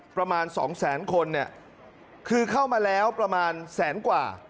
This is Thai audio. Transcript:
ประมาณสองแสนคนเนี่ยคือเข้ามาแล้วประมาณแสนกว่า